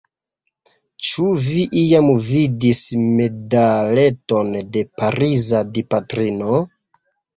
Ĉu vi iam vidis medaleton de Pariza Dipatrino?